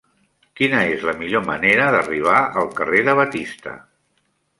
Quina és la millor manera d'arribar al carrer de Batista?